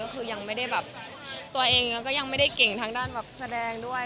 ก็คือยังไม่ได้แบบตัวเองก็ยังไม่ได้เก่งทางด้านแบบแสดงด้วย